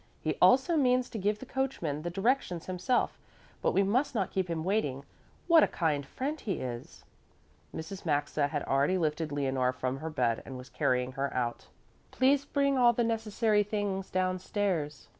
He also means to give the coachman the directions himself, but we must not keep him waiting. What a kind friend he is!" Mrs. Maxa had already lifted Leonore from her bed and was carrying her out. "Please bring all the necessary things downstairs.